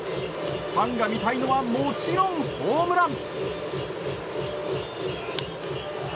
ファンが見たいのは、もちろんホームラン！